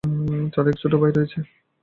তার এক ছোট ভাই রয়েছে।